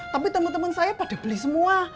tapi temen temen saya pada beli semua